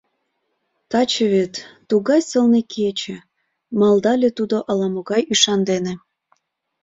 — Таче вет... тугай сылне кече, — малдале тудо ала-могай ӱшан дене.